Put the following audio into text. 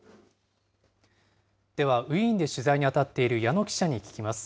では、ウィーンで取材に当たっている矢野記者に聞きます。